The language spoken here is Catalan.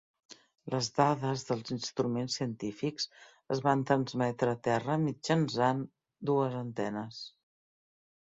Les dades dels instruments científics es van transmetre a terra mitjançant dues antenes.